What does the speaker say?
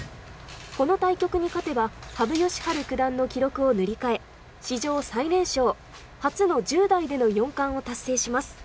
この対局に勝てば羽生善治九段の記録を塗り替え、史上最年少、初の１０代での四冠を達成します。